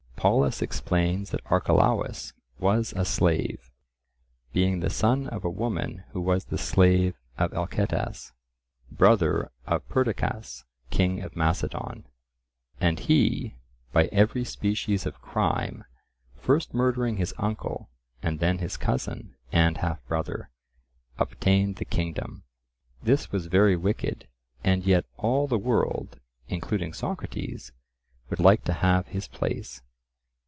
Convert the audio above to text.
Polus explains that Archelaus was a slave, being the son of a woman who was the slave of Alcetas, brother of Perdiccas king of Macedon—and he, by every species of crime, first murdering his uncle and then his cousin and half brother, obtained the kingdom. This was very wicked, and yet all the world, including Socrates, would like to have his place.